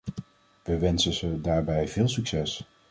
We wensen ze daarbij veel succes.